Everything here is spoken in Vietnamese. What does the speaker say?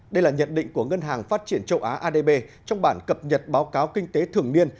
đây là nhận định của ngân hàng phát triển châu á adb trong bản cập nhật báo cáo kinh tế thường niên